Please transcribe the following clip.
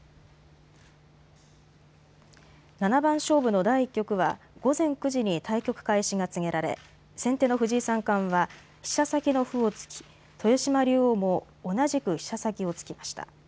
七番勝負の第１局は午前９時に対局開始が告げられ先手の藤井三冠は飛車先の歩を突き豊島竜王も同じく飛車先を突きました。